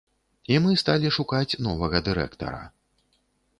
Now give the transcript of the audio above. І мы сталі шукаць новага дырэктара.